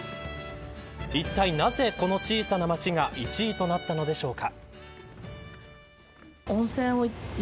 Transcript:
いったい、なぜこの小さな町が１位となったのでしょうか。